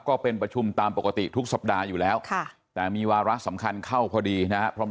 ก็เป็นประชุมตามปกติทุกสัปดาห์อยู่แล้วแต่มีวาระสำคัญเข้าพอดีนะครับ